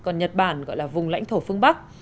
nhật bản gọi là vùng lãnh thổ phương bắc